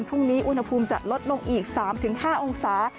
อุณหภูมิจะลดลงอีก๓๕องศา